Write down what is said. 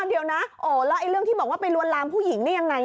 เดี๋ยวนะโอ้แล้วไอ้เรื่องที่บอกว่าไปลวนลามผู้หญิงนี่ยังไง